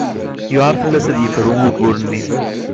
Yewɛeṛ fell-as ad yefru ugur-nni.